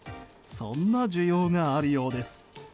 そんな需要があるようです。